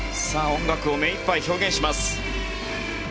音楽をめいっぱい表現します。